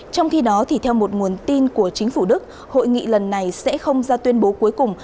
trong khi đó theo một nguồn tin của chính phủ đức hội nghị lần này sẽ không ra tuyên bố cuối cùng